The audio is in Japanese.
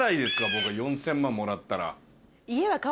僕は４０００万もらったら。